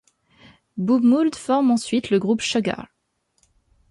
Bob Mould forme ensuite le groupe Sugar.